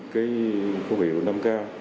cái phương hiệu năm k